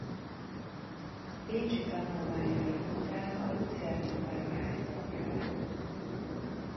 Bécsi tanulmányai után a luzerni operaház tagja lett.